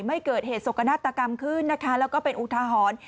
ไม่เกิดเหตุสกนาฏกรรมขึ้นนะคะแล้วก็เป็นอุทาหรณ์